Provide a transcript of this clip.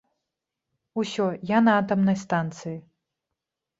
Усё, я на атамнай станцыі!